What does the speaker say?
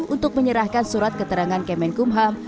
untuk menyerahkan surat keterangan kemenkumham